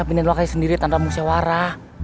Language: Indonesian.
pindah lokasi sendiri tanpa musyawarah